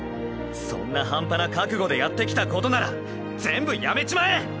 そんな半端な覚悟でやってきたことなら全部やめちまえ！